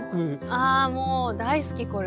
あもう大好きこれ。